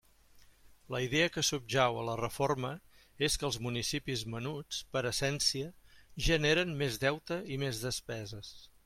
La idea que subjau a la reforma és que els municipis menuts, per essència, generen més deute i més despeses.